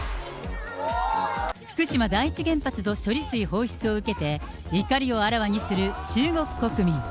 福島第一原発の処理水放出を受けて、怒りをあらわにする中国国民。